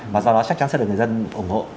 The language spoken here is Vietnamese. và do đó chắc chắn sẽ được người dân ủng hộ